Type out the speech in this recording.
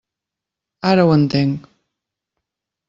Ara ho entenc.